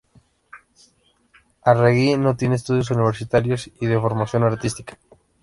Arregui no tiene estudios universitarios y de formación artística.